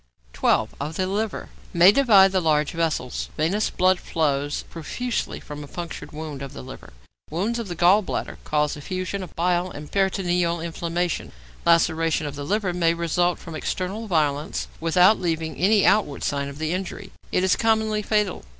12. =Of the Liver.= May divide the large vessels. Venous blood flows profusely from a punctured wound of the liver. Wounds of the gall bladder cause effusion of bile and peritoneal inflammation. Laceration of the liver may result from external violence without leaving any outward sign of the injury; it is commonly fatal.